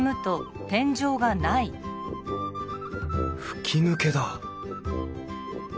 吹き抜けだ